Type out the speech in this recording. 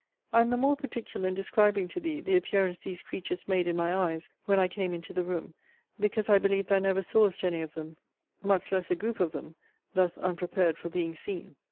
I am the more particular in describing to thee the appearance these creatures made in my eyes when I came into the room, because I believe thou never sawest any of them, much less a group of them, thus unprepared for being seen.